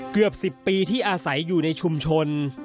เกือบ๑๐ปีที่อาศัยอยู่ในชุมชน